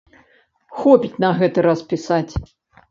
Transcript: Хопіць на гэты раз пісаць.